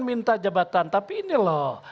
minta jabatan tapi ini loh